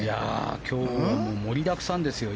今日盛りだくさんですよ。